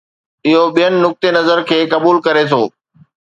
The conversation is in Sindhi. اهو ٻين نقطي نظر کي قبول ڪري ٿو.